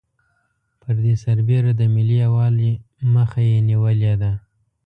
پر دې سربېره د ملي یوالي مخه یې نېولې ده.